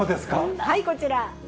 はい、こちら。